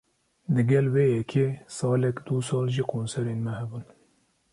Digel vê yekê, salek du sal jî konserên me hebûn